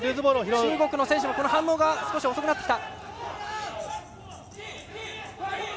中国の選手も反応が少し遅くなってきた。